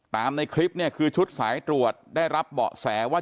ในคลิปเนี่ยคือชุดสายตรวจได้รับเบาะแสว่า